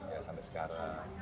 ya sampai sekarang